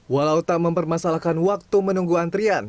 walau tak mempermasalahkan waktu menunggu antrian